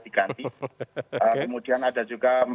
diganti kemudian ada juga